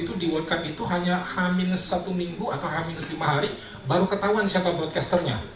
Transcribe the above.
itu di world cup itu hanya h satu minggu atau h lima hari baru ketahuan siapa broadcasternya